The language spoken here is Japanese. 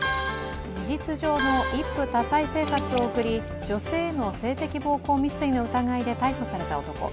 事実上の一夫多妻生活を送り、女性への性的暴行未遂の疑いで逮捕された男。